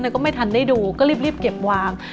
ก็ไม่ทันได้ดูก็รีบเก็บวาง